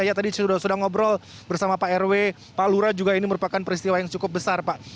saya tadi sudah ngobrol bersama pak rw pak lura juga ini merupakan peristiwa yang cukup besar pak